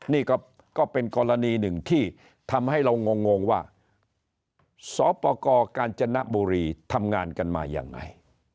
นี่ก็เป็นกรณีหนึ่งที่ทำให้เรางงว่าสปกกาญจนบุรีทำงานกันมายังไง